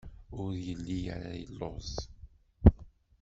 Ur yelli ara yelluẓ.